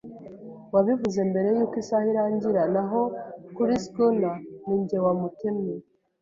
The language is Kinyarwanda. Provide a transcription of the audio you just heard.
wabivuze mbere yuko isaha irangira. Naho kuri schooner, ninjye wamutemye